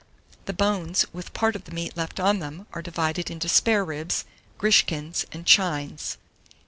The bones, with part of the meat left on them, are divided into spare ribs, griskins, and chines.